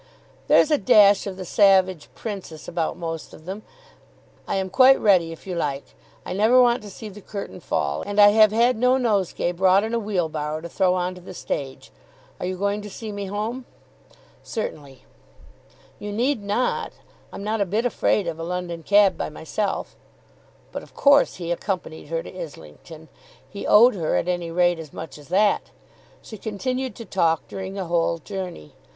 "There's a dash of the savage princess about most of them. I am quite ready if you like. I never want to see the curtain fall. And I have had no nosegay brought in a wheelbarrow to throw on to the stage. Are you going to see me home?" "Certainly." "You need not. I'm not a bit afraid of a London cab by myself." But of course he accompanied her to Islington. He owed her at any rate as much as that. She continued to talk during the whole journey.